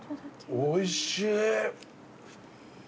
おいしい。